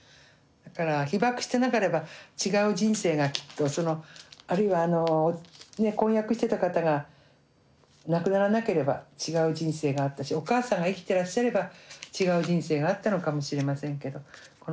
だから被爆してなければ違う人生がきっとあるいはあの婚約してた方が亡くならなければ違う人生があったしお母さんが生きていらっしゃれば違う人生があったのかもしれませんけど。